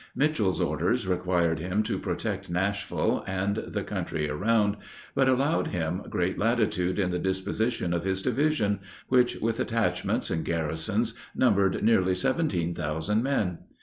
Mitchel's orders required him to protect Nashville and the country around, but allowed him great latitude in the disposition of his division, which, with detachments and garrisons, numbered nearly seventeen thousand men.